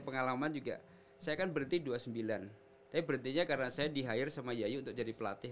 pengalaman juga saya kan berhenti dua puluh sembilan tapi berhentinya karena saya di hire sama yayu untuk jadi pelatih